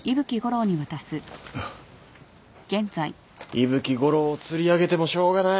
伊吹吾郎を釣り上げてもしょうがない。